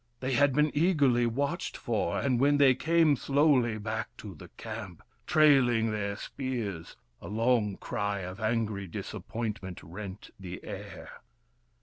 They had been eagerly watched for ; and when they came slowly back to the camp, trailing their spears, a long cry of angry disappoint ment rent the air.